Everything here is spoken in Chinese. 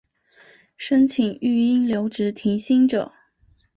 申请育婴留职停薪者